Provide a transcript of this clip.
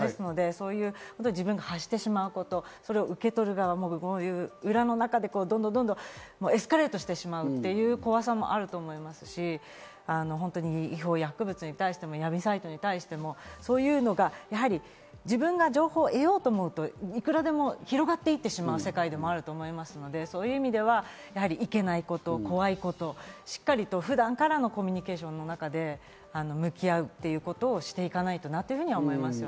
ですので自分の発してしまうこと、受け取る側もどんどんエスカレートしてしまう怖さもあると思いますし、違法薬物に対しても闇サイトに対しても、そういうのが自分が情報を得ようと思うと、いくらでも広がっていってしまう世界でもあると思いますので、そういう意味では、いけないこと、怖いこと、しっかり普段からのコミュニケーションの中で向き合うということをしていかなきゃなと思います。